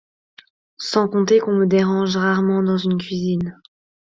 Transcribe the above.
Sans compter qu’on me dérange rarement dans une cuisine.